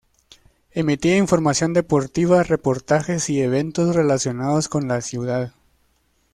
Emitía información deportiva, reportajes y eventos relacionados con la ciudad.